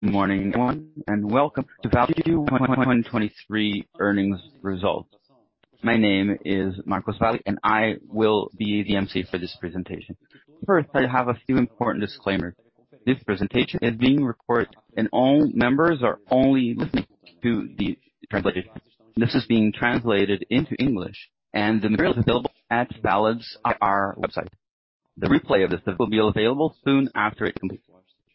Good morning, everyone, welcome to Valid's 2023 earnings results. My name is Marcos Valentini, I will be the emcee for this presentation. First, I have a few important disclaimers. This presentation is being recorded, all members are only listening to the translation. This is being translated into English, the material is available at Valid's IR website. The replay of this will be available soon after it concludes.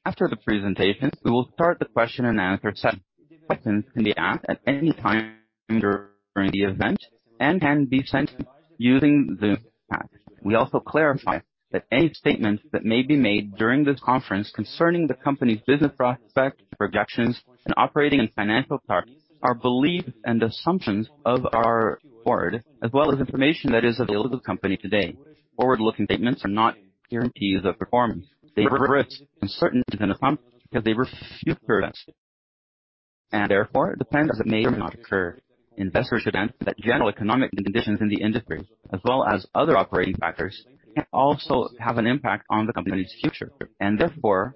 After the presentation, we will start the question and answer session. Questions can be asked at any time during the event and can be sent using the chat. We also clarify that any statements that may be made during this conference concerning the company's business prospects, projections, and operating and financial targets are beliefs and assumptions of our board, as well as information that is available to the company today. Forward-looking statements are not guarantees of performance. They reflect uncertainties in the company because they future us, and therefore depend on circumstances that may or may not occur. Investors should note that general economic conditions in the industry, as well as other operating factors, can also have an impact on the company's future, and therefore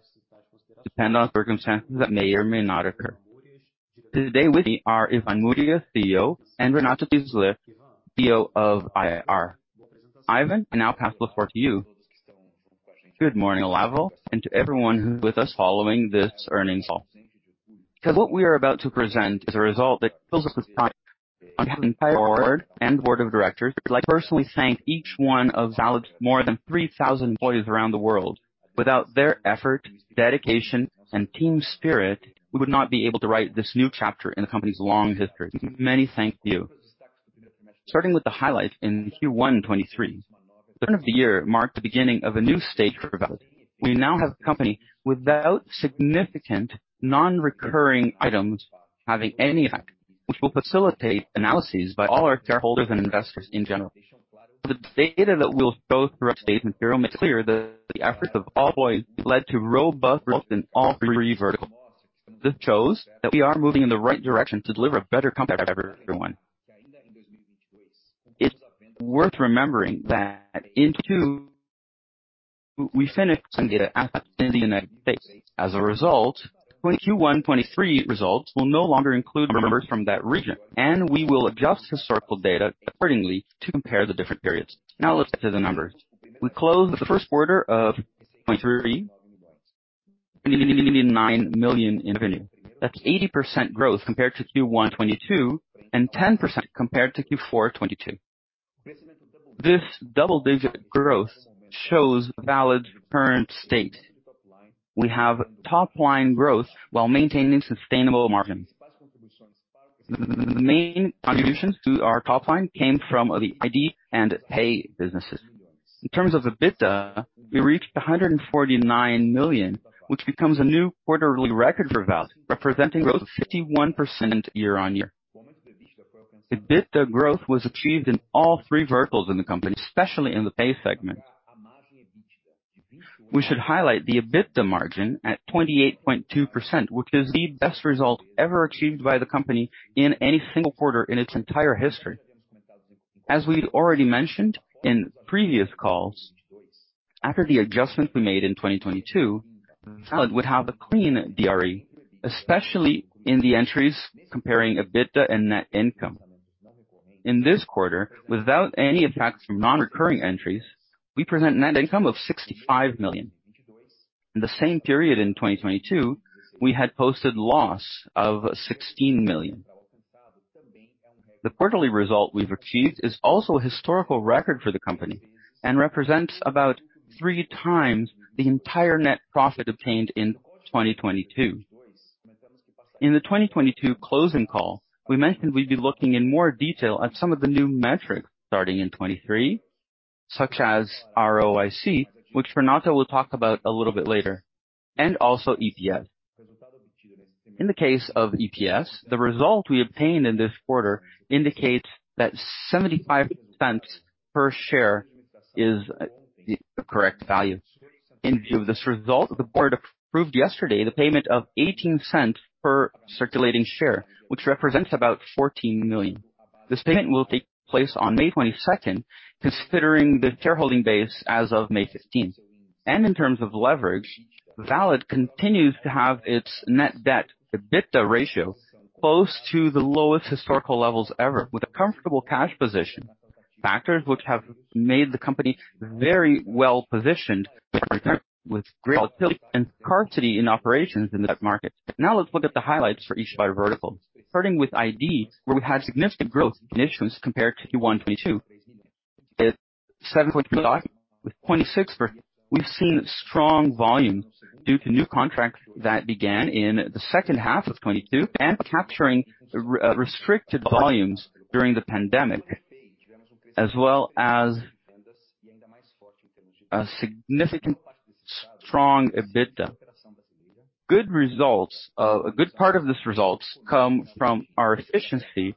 depend on circumstances that may or may not occur. Today with me are Ivan Murias, CEO, and Renato Tyszler, CEO of IR. Ivan, I now pass the floor to you. Good morning, Vale, and to everyone who is with us following this earnings call. What we are about to present is a result that fills us with pride. On behalf of the entire board and board of directors, I'd like to personally thank each one of Valid's more than 3,000 employees around the world. Without their effort, dedication, and team spirit, we would not be able to write this new chapter in the company's long history. Many thank you. Starting with the highlights in Q1 2023. Turn of the year marked the beginning of a new stage for Valid. We now have a company without significant non-recurring items, which will facilitate analyses by all our shareholders and investors in general. The data that we'll show throughout today's material makes it clear that the efforts of all employees led to robust growth in all three verticals. This shows that we are moving in the right direction to deliver a better company for everyone. It's worth remembering that in two we finished some data in the United States. As a result, Q1 2023 results will no longer include numbers from that region, and we will adjust historical data accordingly to compare the different periods. Let's get to the numbers. We closed the first quarter of 2023, BRL 99 million in revenue. That's 80% growth compared to Q1 2022, and 10% compared to Q4 2022. This double-digit growth shows Valid's current state. We have top-line growth while maintaining sustainable margins. The main contributions to our top line came from the ID and Pay businesses. In terms of the EBITDA, we reached 149 million, which becomes a new quarterly record for Valid, representing growth of 51% year-on-year. EBITDA growth was achieved in all 3 verticals in the company, especially in the Pay segment. We should highlight the EBITDA margin at 28.2%, which is the best result ever achieved by the company in any single quarter in its entire history. As we'd already mentioned in previous calls, after the adjustment we made in 2022, Valid would have a clean DRE, especially in the entries comparing EBITDA and net income. In this quarter, without any effects from non-recurring entries, we present net income of 65 million. In the same period in 2022, we had posted loss of 16 million. The quarterly result we've achieved is also a historical record for the company and represents about 3 times the entire net profit obtained in 2022. In the 2022 closing call, we mentioned we'd be looking in more detail at some of the new metrics starting in 2023, such as ROIC, which Renato will talk about a little bit later, and also EPS. In the case of EPS, the result we obtained in this quarter indicates that 0.75 per share is the correct value. In view of this result, the board approved yesterday the payment of 0.18 per circulating share, which represents about 14 million. This payment will take place on May 22nd, considering the shareholding base as of May 15th. In terms of leverage, Valid continues to have its net debt to EBITDA ratio close to the lowest historical levels ever with a comfortable cash position, factors which have made the company very well-positioned with great ability and scarcity in operations in that market. Let's look at the highlights for each by vertical. Starting with ID, where we had significant growth in issuance compared to Q1 2022. At 7.5 with 0.6, we've seen strong volume due to new contracts that began in the second half of 2022 and capturing restricted volumes during the pandemic, as well as a significant strong EBITDA. A good part of this results come from our efficiency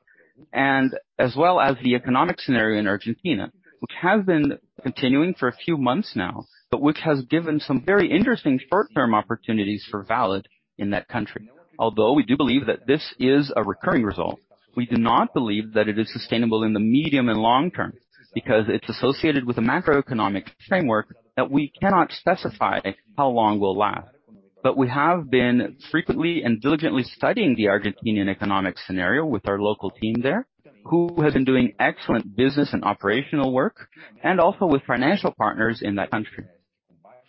and as well as the economic scenario in Argentina, which has been continuing for a few months now, but which has given some very interesting short-term opportunities for Valid in that country. Although we do believe that this is a recurring result. We do not believe that it is sustainable in the medium and long term because it's associated with a macroeconomic framework that we cannot specify how long will last. We have been frequently and diligently studying the Argentinian economic scenario with our local team there, who has been doing excellent business and operational work, and also with financial partners in that country.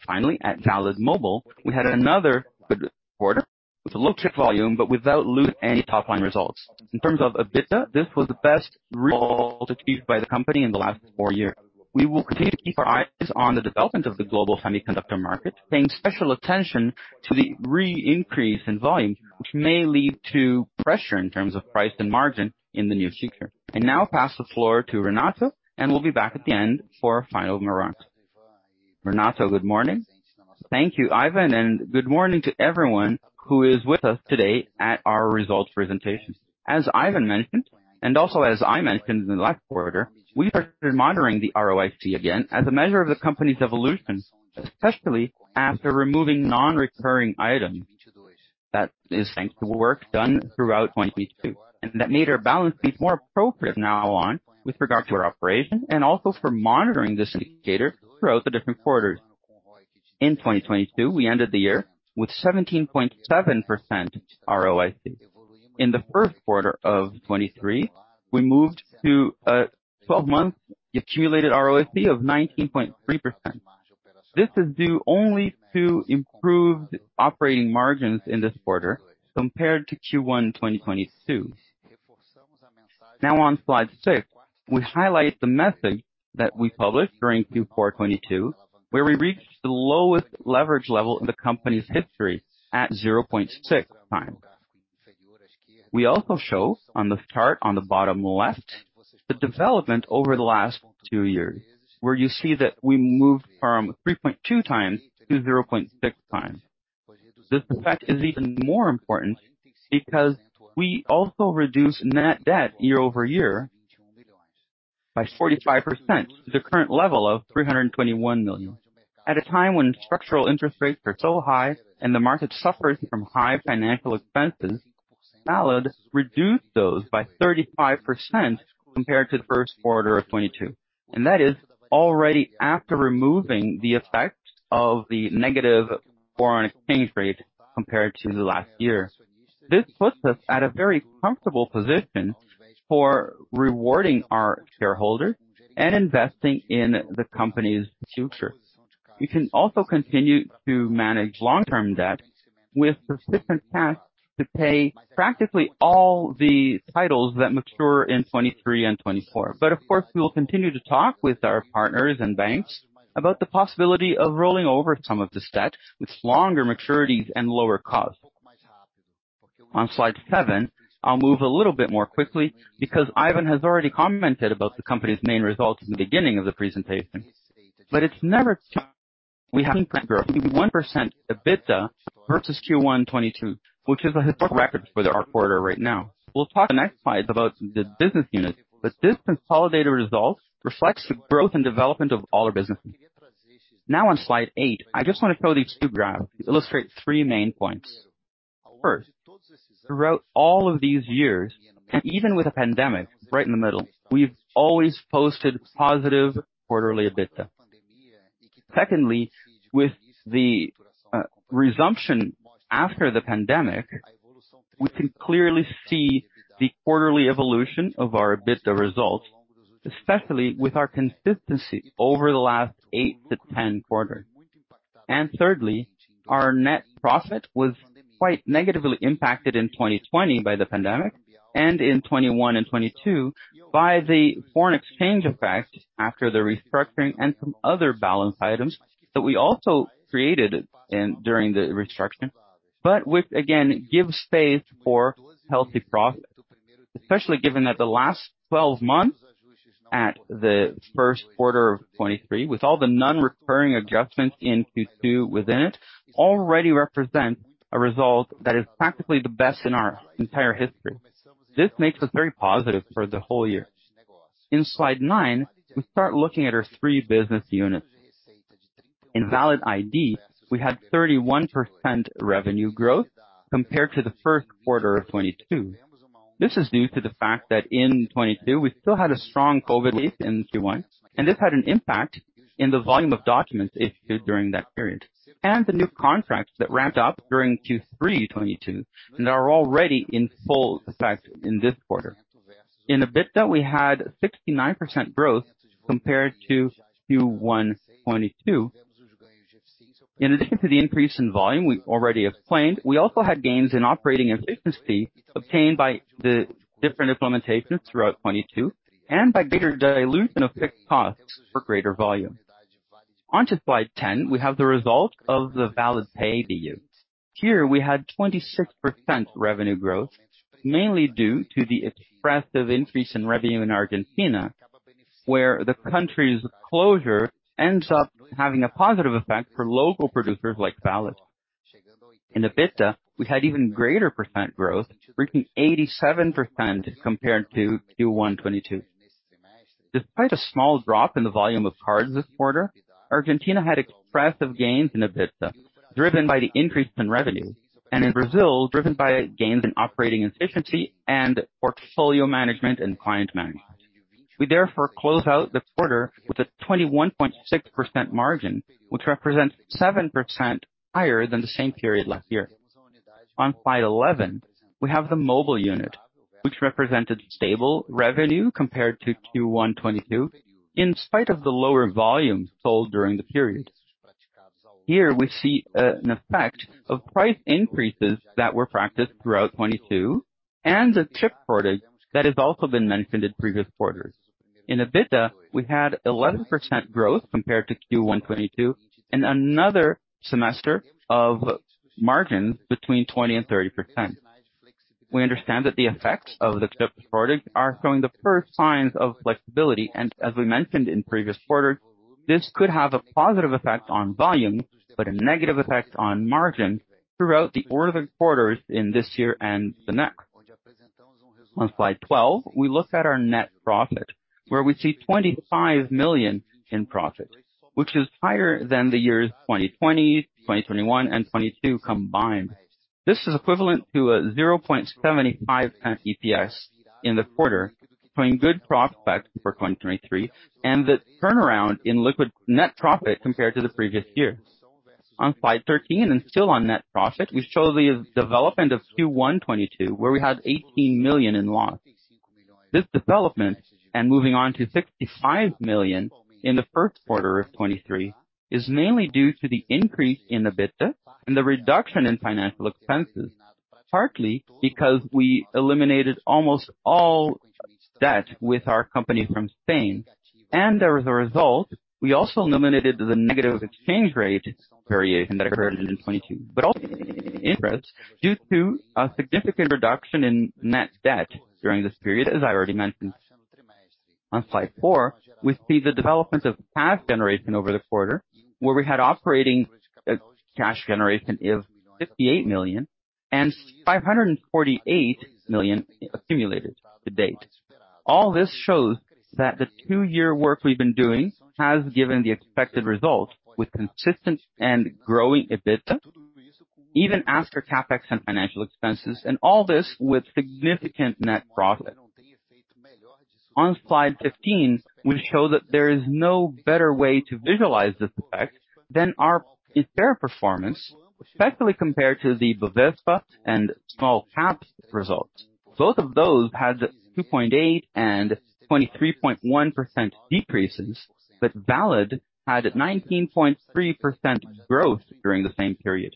Finally, at Valid Mobile, we had another good quarter with a little chip volume, but without losing any top line results. In terms of EBITDA, this was the best result achieved by the company in the last 4 years. We will continue to keep our eyes on the development of the global semiconductor market, paying special attention to the re-increase in volume, which may lead to pressure in terms of price and margin in the near future. I now pass the floor to Renato, and we'll be back at the end for a final remarks. Renato, good morning. Thank you, Ivan, and good morning to everyone who is with us today at our results presentation. As Ivan mentioned, also as I mentioned in the last quarter, we are monitoring the ROIC again as a measure of the company's evolution, especially after removing non-recurring items. That is thanks to work done throughout 2022. That made our balance sheet more appropriate from now on with regard to our operation and also for monitoring this indicator throughout the different quarters. In 2022, we ended the year with 17.7% ROIC. In the first quarter of 2023, we moved to a 12-month accumulated ROIC of 19.3%. This is due only to improved operating margins in this quarter compared to Q1 2022. On slide 6, we highlight the message that we published during Q4 2022, where we reached the lowest leverage level in the company's history at 0.6 times. We also show on the chart on the bottom left the development over the last two years, where you see that we moved from 3.2x to 0.6x. This effect is even more important because we also reduced net debt year-over-year by 45% to the current level of 321 million. At a time when structural interest rates are so high and the market suffers from high financial expenses, Valid reduced those by 35% compared to the 1Q 2022, and that is already after removing the effect of the negative foreign exchange rate compared to last year. This puts us at a very comfortable position for rewarding our shareholders and investing in the company's future. We can also continue to manage long-term debt with sufficient cash to pay practically all the titles that mature in 2023 and 2024. Of course, we will continue to talk with our partners and banks about the possibility of rolling over some of this debt with longer maturities and lower costs. On slide 7, I'll move a little bit more quickly because Ivan has already commented about the company's main results in the beginning of the presentation. It's never we have 1% EBITDA versus Q1 2022, which is a historical record for our quarter right now. We'll talk the next slide about the business unit, but this consolidated results reflects the growth and development of all our businesses. On slide 8, I just wanna show these two graphs to illustrate three main points. First, throughout all of these years, even with the pandemic right in the middle, we've always posted positive quarterly EBITDA. Secondly, with the resumption after the pandemic, we can clearly see the quarterly evolution of our EBITDA results, especially with our consistency over the last 8 to 10 quarters. Thirdly, our net profit was quite negatively impacted in 2020 by the pandemic and in 2021 and 2022 by the foreign exchange effect after the restructuring and some other balance items that we also created during the restructuring, but which again gives faith for healthy profit. Especially given that the last 12 months at the first quarter of 2023, with all the non-recurring adjustments in Q2 within it, already represent a result that is practically the best in our entire history. This makes us very positive for the whole year. In slide 9, we start looking at our three business units. In Valid ID, we had 31% revenue growth compared to the first quarter of 2022. This is due to the fact that in 2022 we still had a strong COVID wave in Q1, this had an impact in the volume of documents issued during that period. The new contracts that ramped up during Q3 2022 and are already in full effect in this quarter. In EBITDA, we had 69% growth compared to Q1 2022. In addition to the increase in volume we already explained, we also had gains in operating efficiency obtained by the different implementations throughout 2022 and by greater dilution of fixed costs for greater volume. Onto slide 10, we have the result of the Valid Pay BU. Here we had 26% revenue growth, mainly due to the expressive increase in revenue in Argentina, where the country's closure ends up having a positive effect for local producers like Valid. In EBITDA, we had even greater percent growth, reaching 87% compared to Q1 '22. Despite a small drop in the volume of cards this quarter, Argentina had expressive gains in EBITDA, driven by the increase in revenue, and in Brazil, driven by gains in operating efficiency and portfolio management and client management. We therefore close out the quarter with a 21.6% margin, which represents 7% higher than the same period last year. On slide 11, we have the mobile unit, which represented stable revenue compared to Q1 '22, in spite of the lower volume sold during the period. Here we see an effect of price increases that were practiced throughout 2022 and the chip shortage that has also been mentioned in previous quarters. In EBITDA, we had 11% growth compared to Q1 2022, another semester of margin between 20% and 30%. We understand that the effects of the chip shortage are showing the first signs of flexibility. As we mentioned in previous quarters, this could have a positive effect on volume, but a negative effect on margin throughout the order of quarters in this year and the next. On slide 12, we look at our net profit, where we see 25 million in profit, which is higher than the years 2020, 2021 and 2022 combined. This is equivalent to a 0.75 EPS in the quarter, showing good prospects for 2023, the turnaround in liquid net profit compared to the previous year. On slide 13 and still on net profit, we show the development of Q1 '22, where we had 18 million in loss. This development, moving on to 65 million in the first quarter of '23, is mainly due to the increase in EBITDA and the reduction in financial expenses, partly because we eliminated almost all debt with our company from Spain. As a result, we also eliminated the negative exchange rate variation that occurred in '22, also interest due to a significant reduction in net debt during this period as I already mentioned. On slide 4, we see the development of cash generation over the quarter where we had operating cash generation of 58 million and 548 million accumulated to date. All this shows that the two-year work we've been doing has given the expected result with consistent and growing EBITDA, even after CapEx and financial expenses, and all this with significant net profit. On slide 15, we show that there is no better way to visualize this effect than our share performance, especially compared to the Bovespa and small caps results. Both of those had 2.8% and 23.1% decreases, Valid had 19.3% growth during the same period.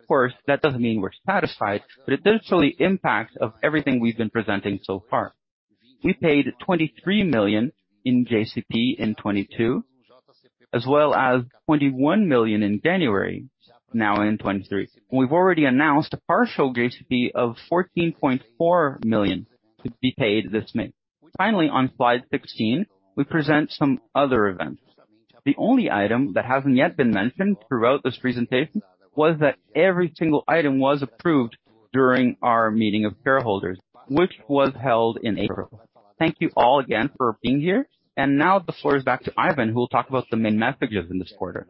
Of course, that doesn't mean we're satisfied, but it does show the impact of everything we've been presenting so far. We paid 23 million in JCP in 2022 as well as 21 million in January, now in 2023. We've already announced a partial JCP of 14.4 million to be paid this May. Finally on slide 16, we present some other events. The only item that hasn't yet been mentioned throughout this presentation was that every single item was approved during our meeting of shareholders, which was held in April. Thank you all again for being here. Now the floor is back to Ivan, who will talk about the main messages in this quarter.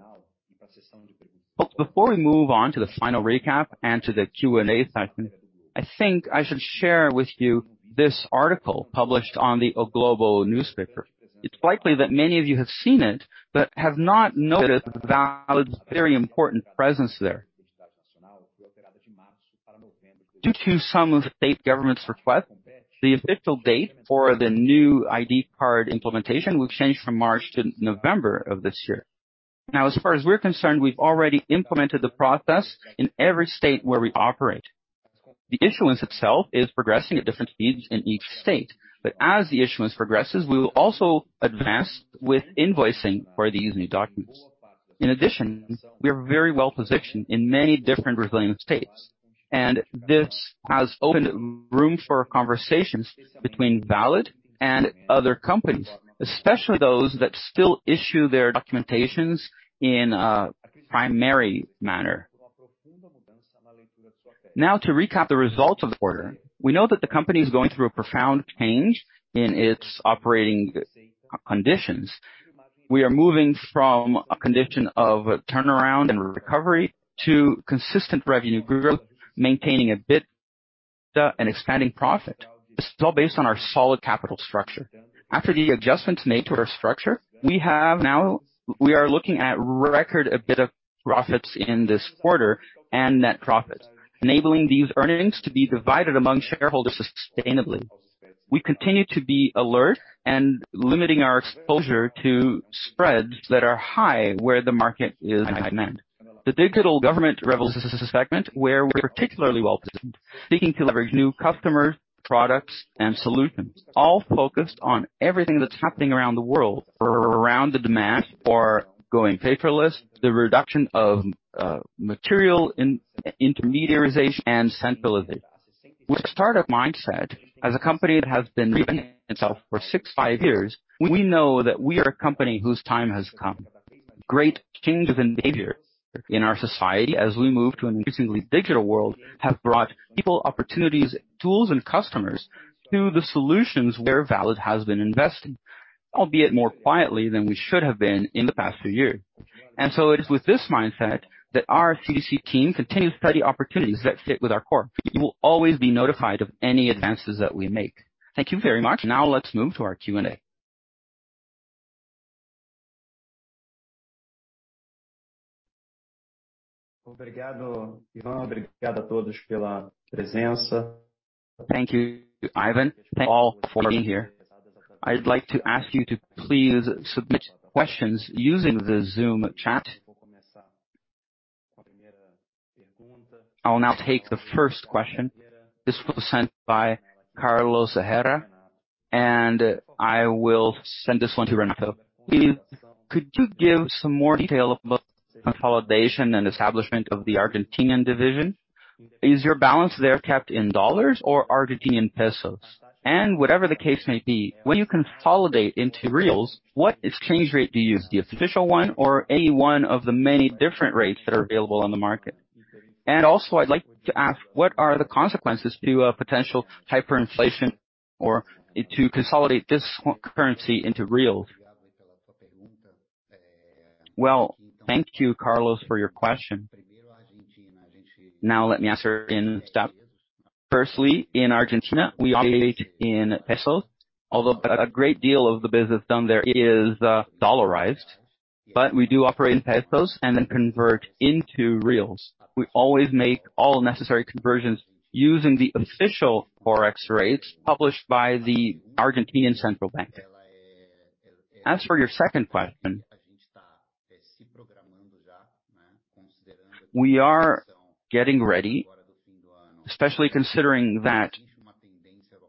Before we move on to the final recap and to the Q&A segment, I think I should share with you this article published on the O Globo newspaper. It's likely that many of you have seen it, but have not noticed Valid's very important presence there. Due to some of the state government's request, the official date for the new ID card implementation will change from March to November of this year. As far as we're concerned, we've already implemented the process in every state where we operate. The issuance itself is progressing at different speeds in each state. As the issuance progresses, we will also advance with invoicing for these new documents. In addition, we are very well-positioned in many different Brazilian states, and this has opened room for conversations between Valid and other companies, especially those that still issue their documentations in a primary manner. To recap the results of the quarter. We know that the company is going through a profound change in its operating conditions. We are moving from a condition of turnaround and recovery to consistent revenue growth, maintaining EBITDA and expanding profit. This is all based on our solid capital structure. After the adjustments made to our structure, we are looking at record EBITDA profits in this quarter and net profits, enabling these earnings to be divided among shareholders sustainably. We continue to be alert and limiting our exposure to spreads that are high where the market is high demand. The digital government segment, where we're particularly well-positioned, seeking to leverage new customer products and solutions, all focused on everything that's happening around the world, around the demand for going paperless, the reduction of material in-intermediarization and centralization. With a startup mindset as a company that has been reinventing itself for six, five years, we know that we are a company whose time has come. Great change of behavior in our society as we move to an increasingly digital world have brought people opportunities, tools and customers to the solutions where Valid has been investing, albeit more quietly than we should have been in the past 2 years. It is with this mindset that our CDC team continues to study opportunities that fit with our core. You will always be notified of any advances that we make. Thank you very much. Now let's move to our Q&A. Thank you, Ivan. Thank you all for being here. I'd like to ask you to please submit questions using the Zoom chat. I will now take the first question. This was sent by Carlos de Herrera. I will send this one to Renato. Please, could you give some more detail about consolidation and establishment of the Argentinian division? Is your balance there kept in $ or ARS? Whatever the case may be, when you consolidate into BRL, what exchange rate do you use, the official one or any one of the many different rates that are available on the market? Also I'd like to ask, what are the consequences to a potential hyperinflation or to consolidate this currency into BRL? Well, thank you, Carlos, for your question. Now let me answer in steps. Firstly, in Argentina we operate in ARS, although a great deal of the business done there is dollarized. We do operate in ARS and then convert into BRL. We always make all necessary conversions using the official Forex rates published by the Argentinian Central Bank. As for your second question, we are getting ready, especially considering that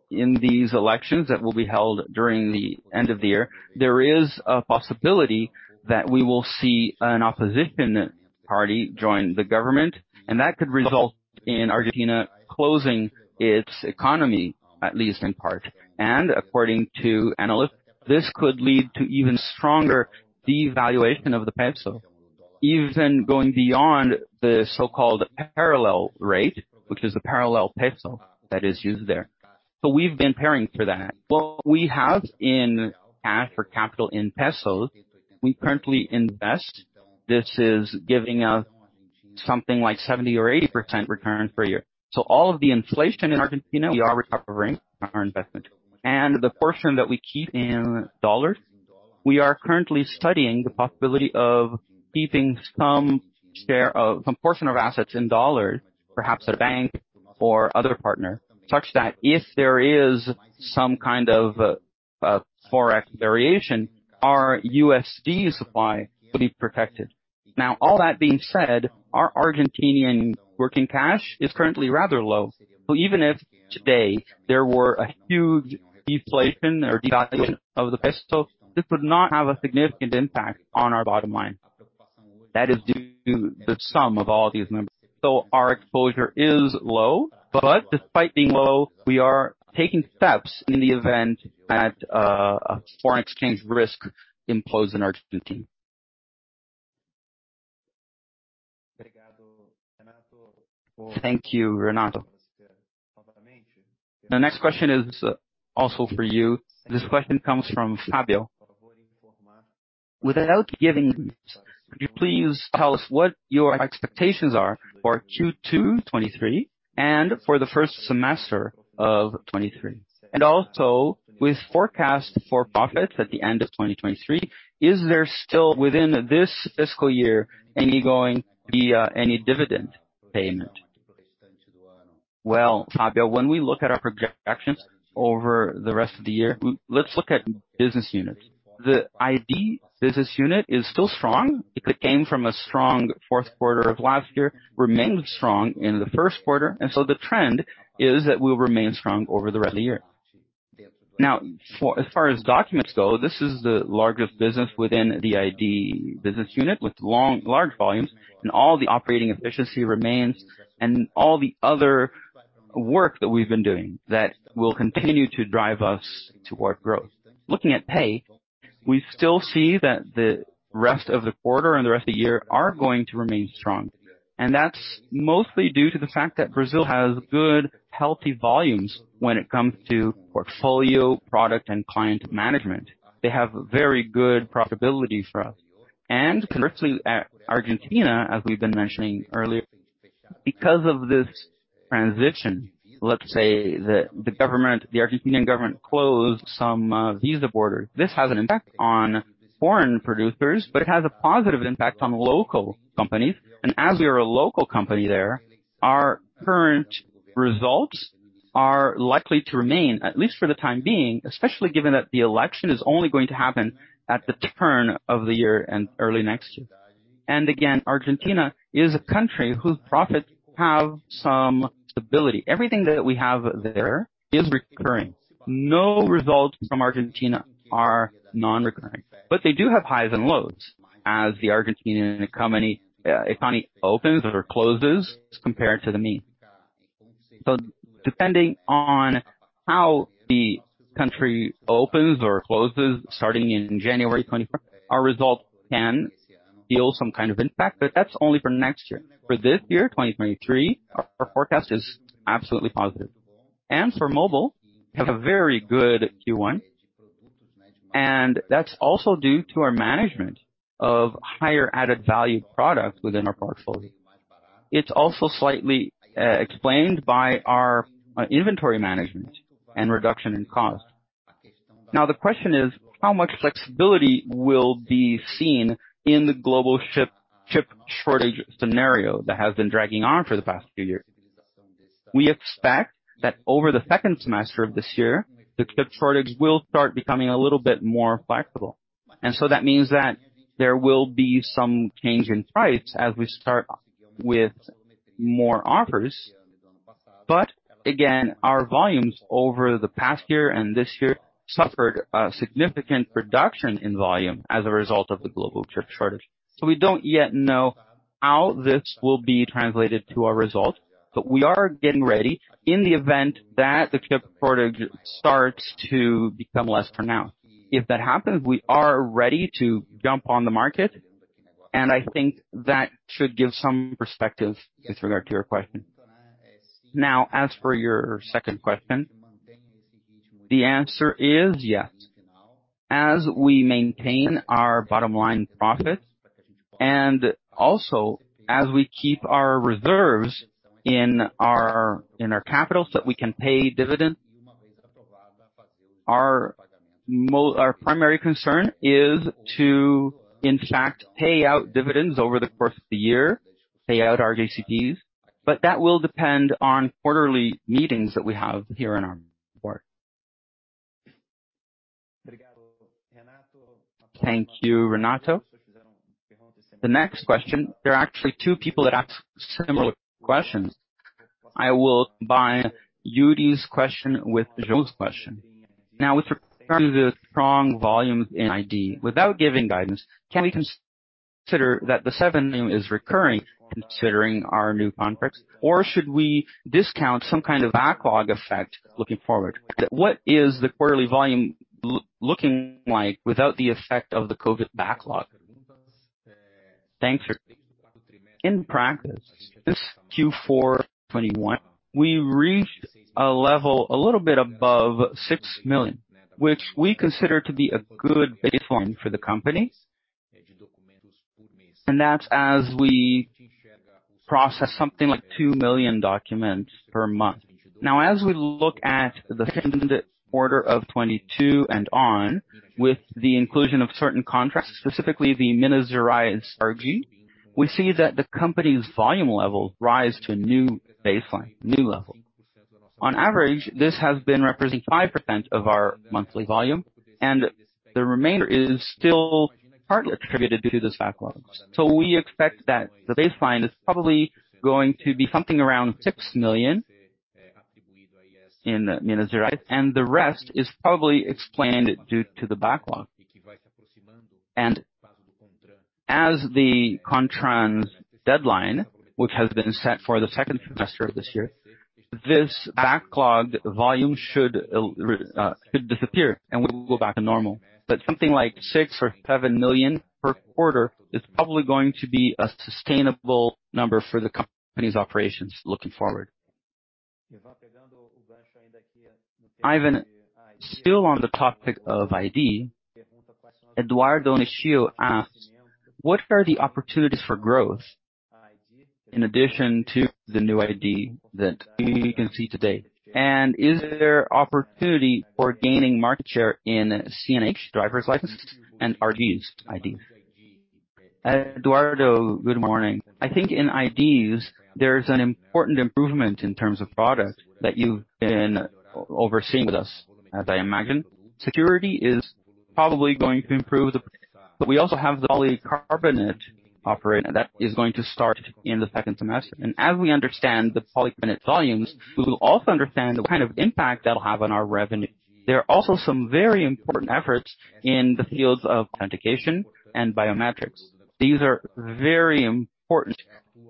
in these elections that will be held during the end of the year, there is a possibility that we will see an opposition party join the government, and that could result in Argentina closing its economy, at least in part. According to analysts, this could lead to even stronger devaluation of the peso, even going beyond the so-called parallel rate, which is the parallel peso that is used there. We've been preparing for that. What we have in cash or capital in pesos, we currently invest. This is giving us something like 70% or 80% return per year. All of the inflation in Argentina, we are recovering our investment. The portion that we keep in dollars, we are currently studying the possibility of keeping some portion of assets in dollars, perhaps at a bank or other partner, such that if there is some kind of Forex variation, our USD supply will be protected. All that being said, our Argentinian working cash is currently rather low. Even if today there were a huge deflation or devaluation of the peso, this would not have a significant impact on our bottom line. That is due to the sum of all these numbers. Our exposure is low, but despite being low, we are taking steps in the event that a foreign exchange risk imposed in Argentina. Thank you, Renato. The next question is also for you. This question comes from Fabio. Without giving, could you please tell us what your expectations are for Q2 2023 and for the first semester of 2023. With forecast for profits at the end of 2023, is there still, within this fiscal year, any dividend payment? Well, Fabio, when we look at our projections over the rest of the year, let's look at business units. The ID business unit is still strong. It came from a strong fourth quarter of last year, remained strong in the first quarter, the trend is that we'll remain strong over the rest of the year. For as far as documents go, this is the largest business within the ID business unit with long, large volumes and all the operating efficiency remains and all the other work that we've been doing that will continue to drive us toward growth. Looking at pay, we still see that the rest of the quarter and the rest of the year are going to remain strong. That's mostly due to the fact that Brazil has good, healthy volumes when it comes to portfolio, product and client management. They have very good profitability for us. Currently, Argentina, as we've been mentioning earlier, because of this transition, let's say the government, the Argentinian government closed some visa border. This has an impact on foreign producers, but it has a positive impact on local companies. As we are a local company there, our current results are likely to remain, at least for the time being, especially given that the election is only going to happen at the turn of the year and early next year. Again, Argentina is a country whose profits have some stability. Everything that we have there is recurring. No results from Argentina are non-recurring, but they do have highs and lows as the Argentinian economy opens or closes as compared to the mean. Depending on how the country opens or closes starting in January 21st, our result can feel some kind of impact, but that's only for next year. For this year, 2023, our forecast is absolutely positive. For mobile, have a very good Q1, and that's also due to our management of higher added value products within our portfolio. It's also slightly explained by our inventory management and reduction in cost. Now, the question is how much flexibility will be seen in the global chip shortage scenario that has been dragging on for the past few years. We expect that over the second semester of this year, the chip shortage will start becoming a little bit more flexible. That means that there will be some change in price as we start with more offers. Again, our volumes over the past year and this year suffered a significant reduction in volume as a result of the global chip shortage. We don't yet know how this will be translated to our result, but we are getting ready in the event that the chip shortage starts to become less pronounced. If that happens, we are ready to jump on the market, and I think that should give some perspective with regard to your question. Now, as for your second question, the answer is yes. As we maintain our bottom line profits, and also as we keep our reserves in our capital, so we can pay dividends. Our primary concern is to, in fact, pay out dividends over the course of the year, pay out our JCPs, but that will depend on quarterly meetings that we have here in our board Thank you, Renato. The next question. There are actually two people that asked similar questions. I will combine Yuri's question with Joe's question. With regard to the strong volume in ID, without giving guidance, can we consider that the 7 is recurring considering our new contracts, or should we discount some kind of backlog effect looking forward? What is the quarterly volume looking like without the effect of the COVID backlog? Thanks. In practice, this Q4 2021, we reached a level a little bit above 6 million, which we consider to be a good baseline for the company. That's as we process something like 2 million documents per month. As we look at the second quarter of 2022 and on, with the inclusion of certain contracts, specifically the Minas Gerais RG, we see that the company's volume level rise to a new baseline, new level. On average, this has been representing 5% of our monthly volume, and the remainder is still partly attributed to those backlogs. We expect that the baseline is probably going to be something around 6 million in Minas Gerais, and the rest is probably explained due to the backlog. As the CONTRAN's deadline, which has been set for the second semester of this year, this backlog volume should disappear and we will go back to normal. Something like 6 or 7 million per quarter is probably going to be a sustainable number for the company's operations looking forward. Ivan, still on the topic of ID. Eduardo Dona asks, "What are the opportunities for growth in addition to the new ID that we can see today? Is there opportunity for gaining market share in CNH driver's license and RG IDs?" Eduardo, good morning. I think in IDs, there's an important improvement in terms of product that you've been overseeing with us, as I imagine. Security is probably going to improve the product. We also have the polycarbonate operator that is going to start in the second semester. As we understand the polycarbonate volumes, we will also understand the kind of impact that will have on our revenue. There are also some very important efforts in the fields of authentication and biometrics. These are very important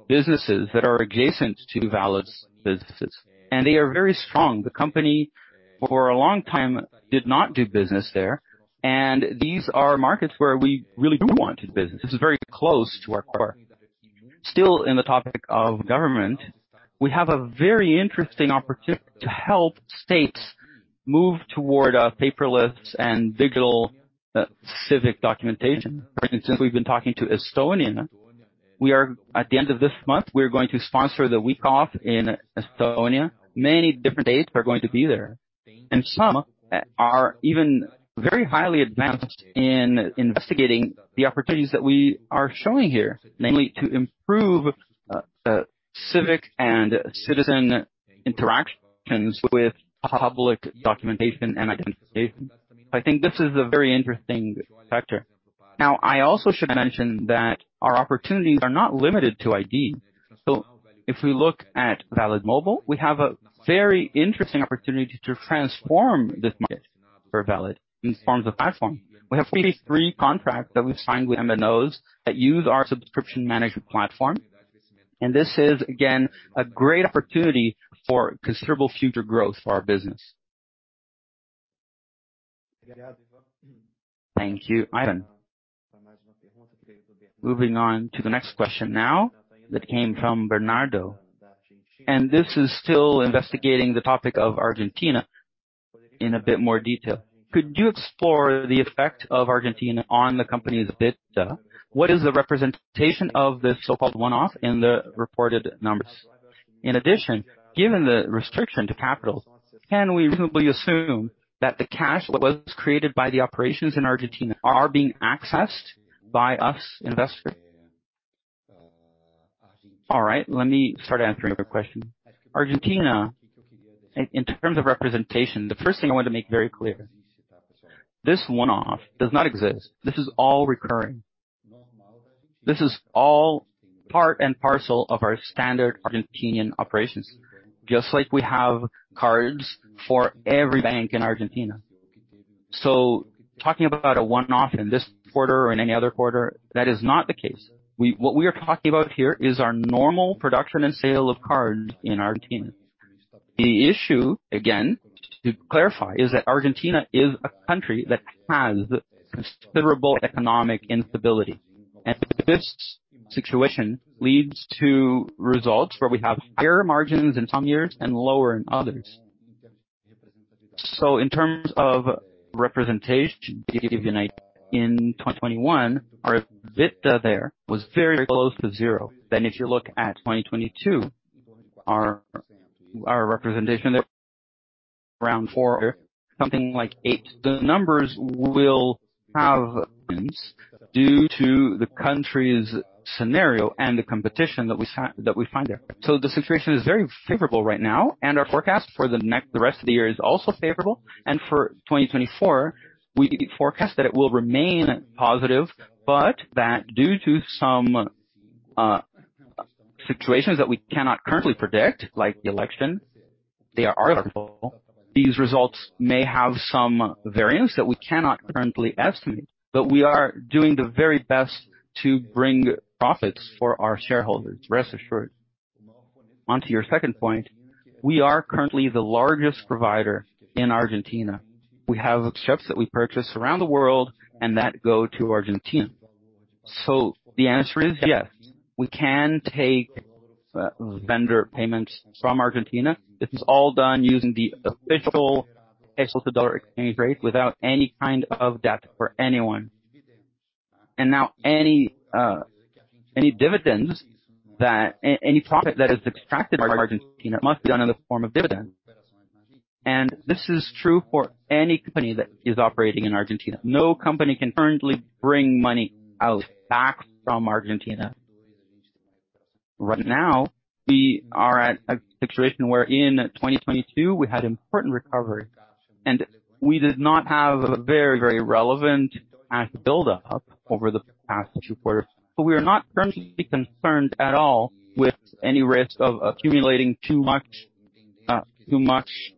businesses that are adjacent to Valid's businesses, and they are very strong. The company, for a long time, did not do business there, and these are markets where we really do want to do business. This is very close to our core. Still in the topic of government, we have a very interesting opportunity to help states move toward a paperless and digital civic documentation. For instance, we've been talking to Estonia. At the end of this month, we're going to sponsor the Week off in Estonia. Many different states are going to be there, and some are even very highly advanced in investigating the opportunities that we are showing here, namely to improve civic and citizen interactions with public documentation and identification. I think this is a very interesting factor. I also should mention that our opportunities are not limited to ID. If we look at Valid Mobile, we have a very interesting opportunity to transform this market. For Valid in forms of platform. We have 43 contracts that we've signed with MNOs that use our Subscription Management platform. This is again, a great opportunity for considerable future growth for our business. Thank you, Ivan. Moving on to the next question now that came from Bernardo. This is still investigating the topic of Argentina in a bit more detail. Could you explore the effect of Argentina on the company's EBITDA? What is the representation of the so-called one-off in the reported numbers? Given the restriction to capital, can we reasonably assume that the cash that was created by the operations in Argentina are being accessed by us investors? Let me start answering your question. Argentina, in terms of representation, the first thing I want to make very clear, this one-off does not exist. This is all recurring. This is all part and parcel of our standard Argentinian operations, just like we have cards for every bank in Argentina. Talking about a one-off in this quarter or in any other quarter, that is not the case. What we are talking about here is our normal production and sale of cards in Argentina. The issue, again, to clarify, is that Argentina is a country that has considerable economic instability, and this situation leads to results where we have higher margins in some years and lower in others. In terms of representation, in 2021, our EBITDA there was very close to 0. If you look at 2022, our representation there around 4%, something like 8%. The numbers will have due to the country's scenario and the competition that we find there. The situation is very favorable right now, and our forecast for the rest of the year is also favorable. For 2024, we forecast that it will remain positive, but that due to some situations that we cannot currently predict, like the election, they are article. These results may have some variance that we cannot currently estimate. We are doing the very best to bring profits for our shareholders, rest assured. Onto your second point, we are currently the largest provider in Argentina. We have chips that we purchase around the world and that go to Argentina. The answer is yes, we can take vendor payments from Argentina. This is all done using the official ARS to USD exchange rate without any kind of debt for anyone. Now any dividends, any profit that is extracted by Argentina must be done in the form of dividend. This is true for any company that is operating in Argentina. No company can currently bring money out back from Argentina. Right now, we are at a situation where in 2022 we had important recovery, and we did not have a very, very relevant cash buildup over the past two quarters. We are not currently concerned at all with any risk of accumulating too much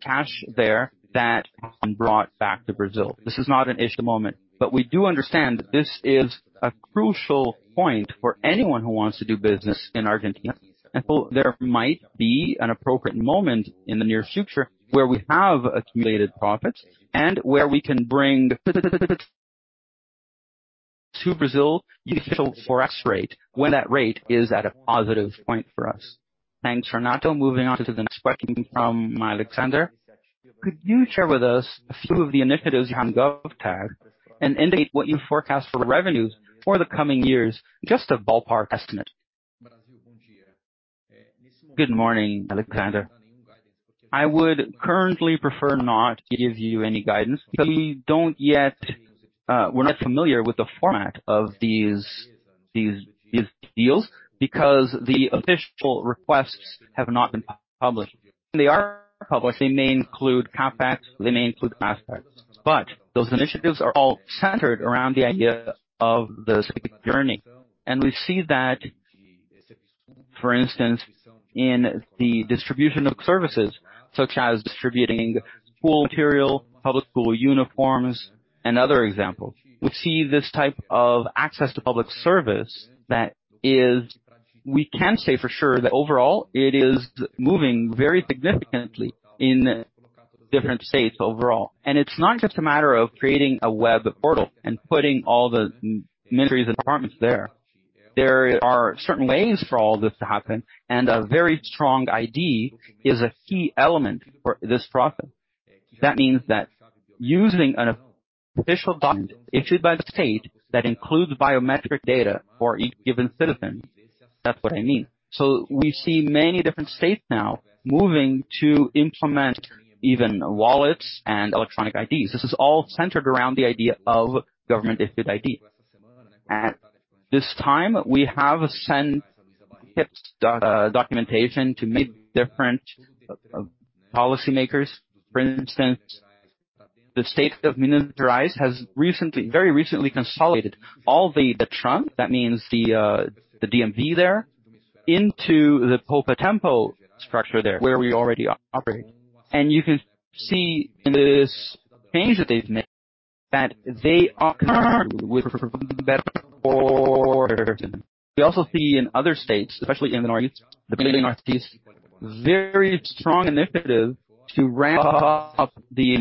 cash there that can't be brought back to Brazil. This is not an issue at the moment, but we do understand that this is a crucial point for anyone who wants to do business in Argentina. There might be an appropriate moment in the near future where we have accumulated profits and where we can bring to Brazil official Forex rate when that rate is at a positive point for us. Thanks, Renato. Moving on to the next question from Alexander. Could you share with us a few of the initiatives around GovTech and indicate what you forecast for revenues for the coming years? Just a ballpark estimate. Good morning, Alexander. I would currently prefer not to give you any guidance because we don't yet, we're not familiar with the format of these deals because the official requests have not been published. When they are published, they may include CapEx, they may include OpEx. Those initiatives are all centered around the idea of the journey. We see that, for instance, in the distribution of services such as distributing school material, public school uniforms and other examples. We see this type of access to public service. We can say for sure that overall it is moving very significantly in different states overall. It's not just a matter of creating a web portal and putting all the ministries and departments there. There are certain ways for all this to happen, and a very strong ID is a key element for this process. That means that using an official document issued by the state that includes biometric data for each given citizen. That's what I mean. We see many different states now moving to implement even wallets and electronic IDs. This is all centered around the idea of government-issued ID. At this time, we have sent documentation to meet different policymakers. For instance, the state of Minas Gerais has recently, very recently consolidated all the DETRAN. That means the DMV there into the Poupatempo structure there where we already operate. You can see in this change that they've made that they are better. We also see in other states, especially in the Northeast, very strong initiative to ramp up the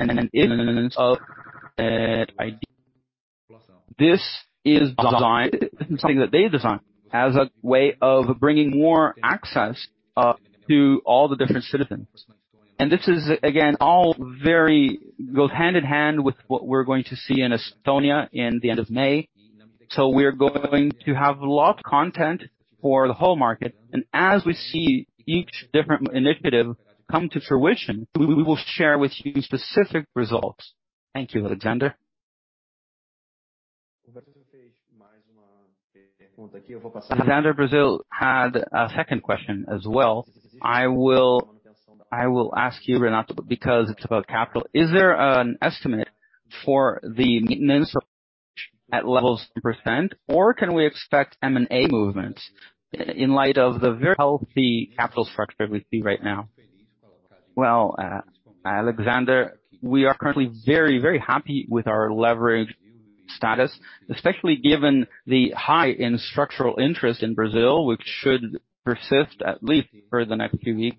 ID. This is designed, something that they designed, as a way of bringing more access to all the different citizens. This is, again, all goes hand-in-hand with what we're going to see in Estonia in the end of May. We're going to have a lot of content for the whole market. As we see each different initiative come to fruition, we will share with you specific results. Thank you, Alexander. Alexander Pfrimer had a second question as well. I will ask you, Renato, because it's about capital. Is there an estimate for the maintenance of at levels % or can we expect M&A movements in light of the very healthy capital structure we see right now? Alexander, we are currently very, very happy with our leverage status, especially given the high and structural interest in Brazil, which should persist at least for the next few weeks.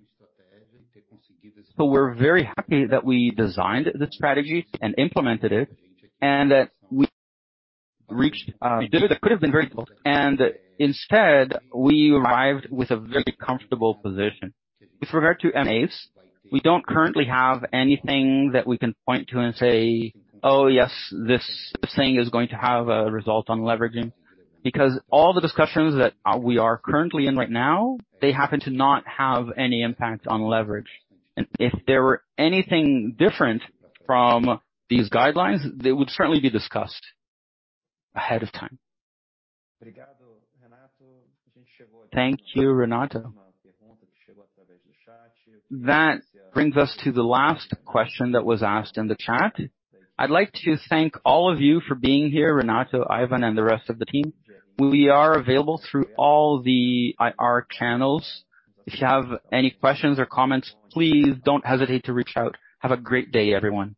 We're very happy that we designed the strategy and implemented it, and that we did it. It could have been very difficult. Instead, we arrived with a very comfortable position. With regard to M&As, we don't currently have anything that we can point to and say, "Oh, yes, this thing is going to have a result on leveraging." All the discussions that we are currently in right now, they happen to not have any impact on leverage. If there were anything different from these guidelines, they would certainly be discussed ahead of time. Thank you, Renato. That brings us to the last question that was asked in the chat. I'd like to thank all of you for being here, Renato, Ivan, and the rest of the team. We are available through all the IR channels. If you have any questions or comments, please don't hesitate to reach out. Have a great day, everyone.